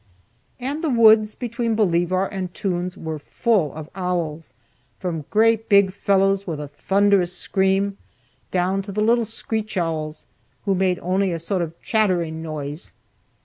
And the woods between Bolivar and Toone's were full of owls, from great big fellows with a thunderous scream, down to the little screech owls, who made only a sort of chattering noise.